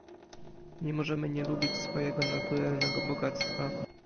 Nie możemy nie lubić swojego naturalnego bogactwa